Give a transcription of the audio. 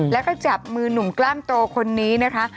แล้วก็จับมือหนุ่มกล้ามโตคนนี้นะคะ